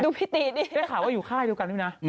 ได้ข่าวว่าอยู่ค่ายทั้งเดียวกันดิเปล่าน่ะ